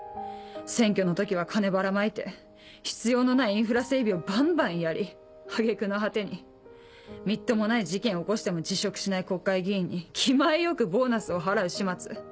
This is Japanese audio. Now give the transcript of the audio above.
選挙の時は金ばらまいて必要のないインフラ整備をバンバンやり揚げ句の果てにみっともない事件起こしても辞職しない国会議員に気前よくボーナスを払う始末。